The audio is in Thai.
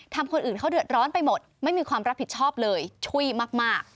คนอื่นเขาเดือดร้อนไปหมดไม่มีความรับผิดชอบเลยช่วยมาก